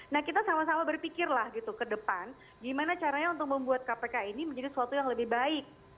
nah kita sama sama berpikirlah gitu ke depan gimana caranya untuk membuat kpk ini menjadi sesuatu yang lebih baik